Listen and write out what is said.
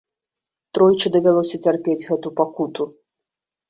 Тройчы давялося цярпець гэту пакуту.